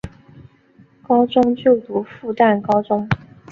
高中就读复旦高中。